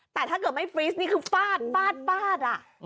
แต่ถ้าเกิดไม่ฟรีสนี่คือฟาดฟาดฟาด